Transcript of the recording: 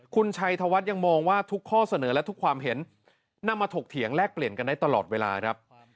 คุณชัยธวัฒน์ยังมองว่าทุกข้อเสนอและทุกความเห็นนำมาถกเถียงแลกเปลี่ยนกันได้ตลอดเวลาครับ